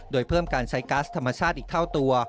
โดยเพิ่มการใช้ก๊าซธรรมชาติอีกเท่าตัว